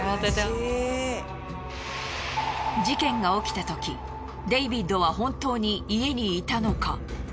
事件が起きた時デイビッドは本当に家にいたのか？